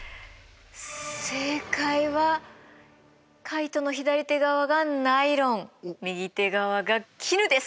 正解はカイトの左手側がナイロン右手側が絹です。